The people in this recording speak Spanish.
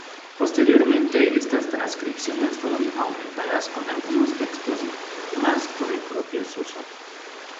Posteriormente estas transcripciones fueron aumentadas con algunos textos más por el propio Suso.